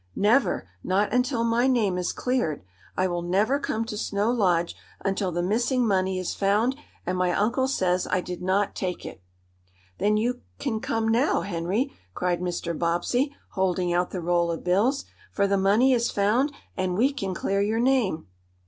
"Never. Not until my name is cleared. I will never come to Snow Lodge until the missing money is found, and my uncle says I did not take it." "Then you can come now, Henry," cried Mr. Bobbsey, holding out the roll of bills. "For the money is found and we can clear your name!"